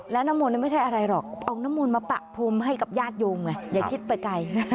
แล้วน้ำมนต์ไม่ใช่อะไรหรอกเอาน้ำมนต์มาปะพรมให้กับญาติโยมไงอย่าคิดไปไกล